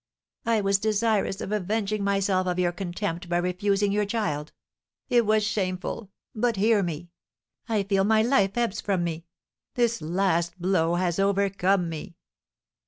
"I was desirous of avenging myself of your contempt by refusing your child. It was shameful; but hear me! I feel my life ebbs from me; this last blow has overcome me!"